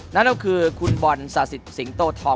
นั่นก็คือคุณบอลศาสิทธสิงโตทอง